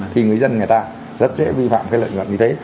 thì người dân người ta rất dễ vi phạm cái lợi nhuận như thế